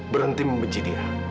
berhenti membenci dia